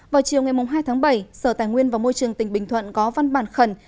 vào chiều ngày hai tháng bảy sở tài nguyên và môi trường tỉnh bình thuận có văn bản khẩn